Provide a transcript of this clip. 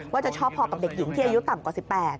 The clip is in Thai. ว่าจะชอบพอกับเด็กหญิงที่อายุต่ำกว่า๑๘